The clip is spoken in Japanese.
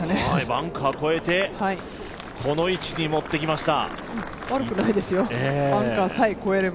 バンカー越えて、この位置に持ってきました。